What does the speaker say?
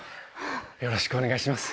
よろしくお願いします。